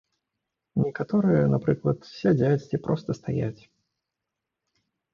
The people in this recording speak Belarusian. Некаторыя, напрыклад, сядзяць ці проста стаяць.